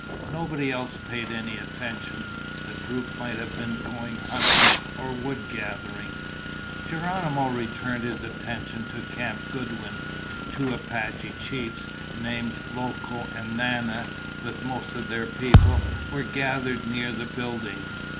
Nobody else paid any attention; the group might have been going hunting or wood gathering. Geronimo returned his attention to Camp Goodwin. Two Apache chiefs named Loco and Nana, with most of their people, were gathered near the building.